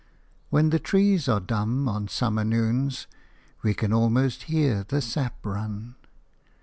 When the trees are dumb on summer noons, we can almost hear the sap run.